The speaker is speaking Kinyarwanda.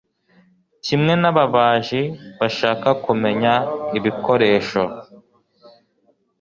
kimwe n'ababaji bashaka kumenya ibikoresho